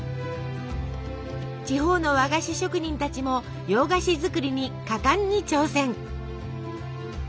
地方の和菓子職人たちも洋菓子作りに果敢に挑戦。